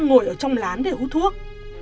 ngồi ở trong lán để hút thuốc